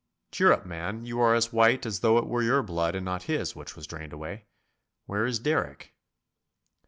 Cheer up, man! You are as white as though it were your blood and not his which was drained away. Where is Derrick?